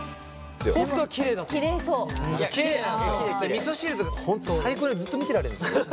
みそ汁とか本当最高でずっと見てられるんですよ。